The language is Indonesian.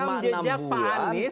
menurut reksam jejak pak anies